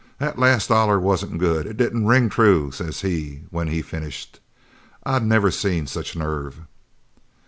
'That last dollar wasn't good! It didn't ring true,' says he when he finished. I never seen such nerve!"